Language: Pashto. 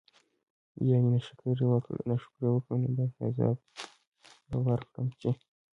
يعني نا شکري وکړه نو داسي عذاب به ورکړم چې